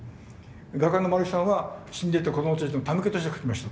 画家の丸木さんは死んでいった子どもたちの手向けとして描きました。